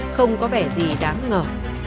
không có vẻ gì đáng ngờ